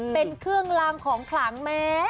เป็นเครื่องลางของขลังแม้